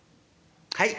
「はい。